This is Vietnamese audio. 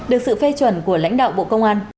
được sự phê chuẩn của lãnh đạo bộ công an